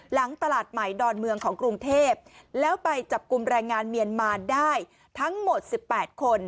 หลังตลาดใหม่ดอนเมืองของกรุงเทพแล้วไปจับกลุ่มแรงงานเมียนมาได้ทั้งหมด๑๘คน